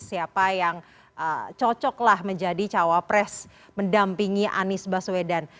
siapa yang cocoklah menjadi cawa pres mendampingi anies baswedan